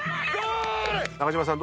中島さん